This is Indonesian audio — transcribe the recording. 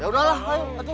ya udahlah aduh aduh aduh